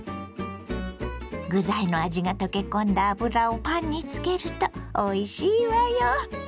具材の味が溶け込んだ油をパンにつけるとおいしいわよ！